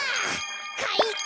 かいか！